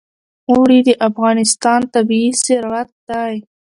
اوړي د افغانستان طبعي ثروت دی.